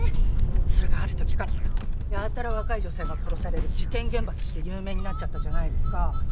それがあるときからやたら若い女性が殺される事件現場として有名になっちゃったじゃないですか。